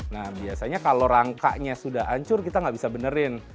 nah biasanya kalau rangkanya sudah hancur kita nggak bisa benerin